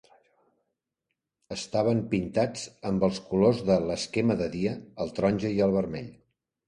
Estaven pintats amb els colors de l"esquema "de dia", el taronja i el vermell.